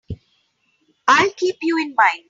I'll keep you in mind.